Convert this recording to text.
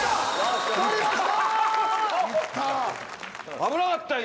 危なかったわ今！